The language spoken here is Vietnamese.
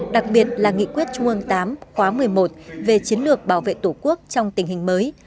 đặc biệt là nghị quyết trung ương viii khóa một mươi một về chiến lược bảo vệ tổ quốc trong tình hình mới